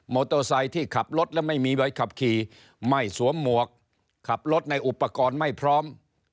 โตไซค์ที่ขับรถและไม่มีใบขับขี่ไม่สวมหมวกขับรถในอุปกรณ์ไม่พร้อม